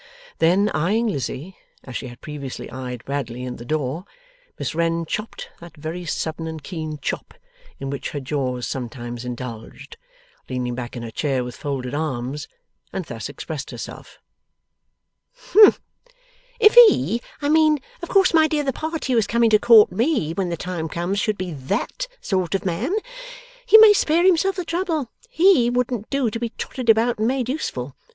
Then, eyeing Lizzie as she had previously eyed Bradley and the door, Miss Wren chopped that very sudden and keen chop in which her jaws sometimes indulged, leaned back in her chair with folded arms, and thus expressed herself: 'Humph! If he I mean, of course, my dear, the party who is coming to court me when the time comes should be THAT sort of man, he may spare himself the trouble. HE wouldn't do to be trotted about and made useful.